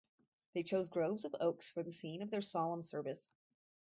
They chose groves of oaks for the scene of their solemn service.